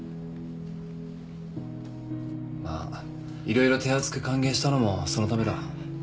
まあ色々手厚く歓迎したのもそのためだ。